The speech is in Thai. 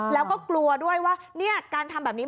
แล้วก็กลัวด้วยว่าการทำแบบนี้